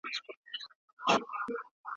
تورم د توکو بیه لوړوي.